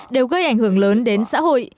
đều gây ảnh hưởng lớn đến xã hội